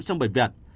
trong bệnh viện